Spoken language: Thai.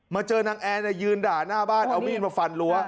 เจอนางแอร์ยืนด่าหน้าบ้านเอามีดมาฟันรั้ว